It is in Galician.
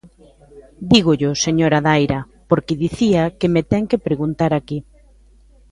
Dígollo, señora Daira, porque dicía que me ten que preguntar aquí.